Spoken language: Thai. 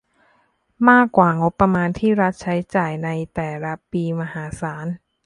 มากกว่างบประมาณที่รัฐใช้จ่ายในแต่ละปีมหาศาล